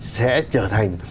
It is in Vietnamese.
sẽ trở thành